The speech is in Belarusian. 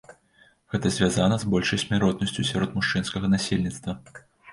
Гэта звязана з большай смяротнасцю сярод мужчынскага насельніцтва.